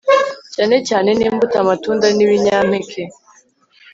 cyane cyane nimbuto amatunda nibinyampeke